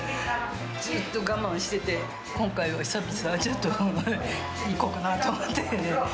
ずっと我慢してて、今回は久々にちょっと、行こうかなと思って。